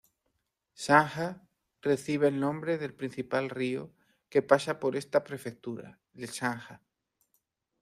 Sangha recibe el nombre del principal río que pasa por esta prefectura: el Sangha.